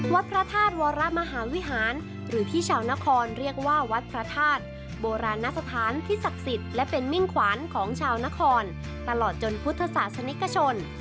วัดพระธาตุวรมหาวิหารหรือที่ชาวนครเรียกว่าวัดพระธาตุโบราณนสถานที่ศักดิ์สิทธิ์และเป็นมิ่งขวัญของชาวนครตลอดจนพุทธศาสนิกชน